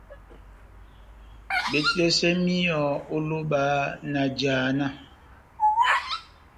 Betidɛsɛ míyɔ ó lóba na jána.